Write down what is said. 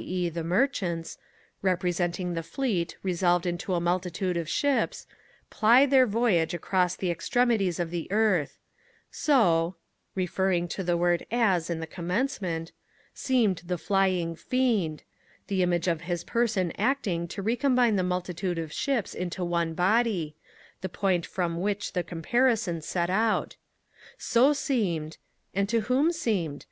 e. the 'merchants,' representing the fleet resolved into a multitude of ships, 'ply' their voyage towards the extremities of the earth: 'So' (referring to the word 'As' in the commencement) 'seemed the flying Fiend'; the image of his Person acting to recombine the multitude of ships into one body, the point from which the comparison set out. 'So seemed,' and to whom seemed?